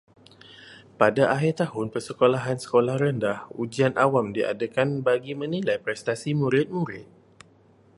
Pada akhir tahun persekolahan sekolah rendah, ujian awam diadakan bagi menilai prestasi murid-murid.